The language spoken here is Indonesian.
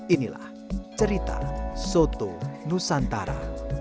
inilah cerita soto nusantara